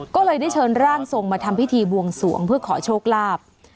ก็เลยได้เชิญร่างทรงมาทำพิธีบวงสวงเพื่อขอโชคลาภ